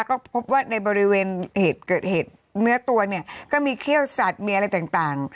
ก็พบว่าในบริเวณเหตุเกิดเหตุเนื้อตัวเนี่ยก็มีเขี้ยวสัตว์มีอะไรต่าง